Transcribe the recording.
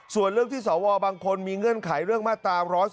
ส่วนเรื่องที่สวบางคนมีเงื่อนไขเรื่องมาตรา๑๑๒